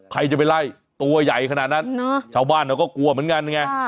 ใครจะไปไล่ตัวใหญ่ขนาดนั้นชาวบ้านเขาก็กลัวเหมือนกันไง